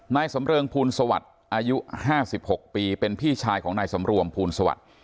นายสำเริงภูลสวัสดิ์อายุ๕๖ปีเป็นพี่ชายของนายสำรวมภูลสวัสดิ์